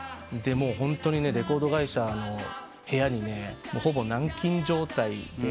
もうホントにレコード会社の部屋にほぼ軟禁状態で。